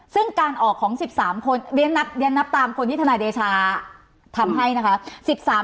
ซึ่งการออกของ๑๓คนเรียนนับตามคนที่ทนายเดชาทำให้นะคะ